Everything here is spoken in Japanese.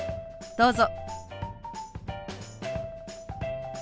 どうぞ。